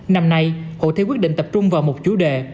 năm nay hội thi quyết định tập trung vào một chủ đề